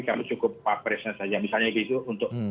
kalau cukup papresnya saja misalnya gitu untuk